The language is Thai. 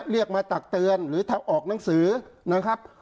เรียกมาตักเตือนหรือทำออกหนังสือนะครับ